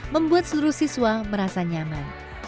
membuat seluruh siswa merasa nyaman